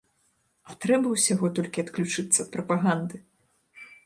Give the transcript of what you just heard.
А трэба ўсяго толькі адключыцца ад прапаганды.